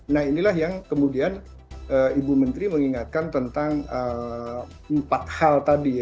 nah inilah yang kemudian ibu menteri mengingatkan tentang empat hal tadi